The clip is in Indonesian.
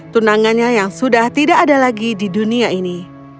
tunangannya yang sudah tidak ada lagi di dunia ini